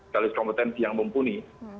talis kompetensi yang mumpuni